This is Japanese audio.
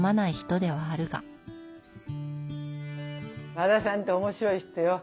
和田さんって面白い人よ。